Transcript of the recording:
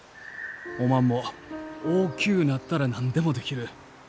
おまんも大きゅうなったら何でもできる。